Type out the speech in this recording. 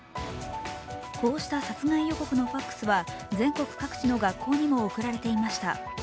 こうした殺害翌区のファクスは全国各地の学校にも送られていました。